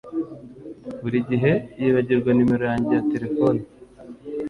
Buri gihe yibagirwa numero yanjye ya terefone